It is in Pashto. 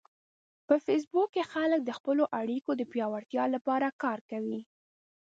په فېسبوک کې خلک د خپلو اړیکو د پیاوړتیا لپاره کار کوي